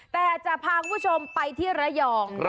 แต่จะพาคุณผู้ชมไปที่ระยอง